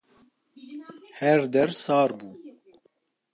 her der sar bû.